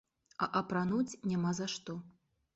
А апрануць няма за што.